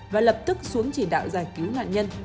và lập tức xuống chỉ đạo giải cứu nạn nhân